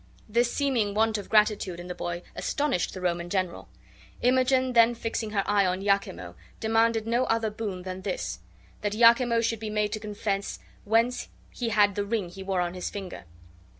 This seeming want of gratitude in the boy astonished the Roman general. Imogen then, fixing her eye on Iachimo, demanded no other boon than this: that Iachimo should be made to confess whence he had the ring he wore on his finger.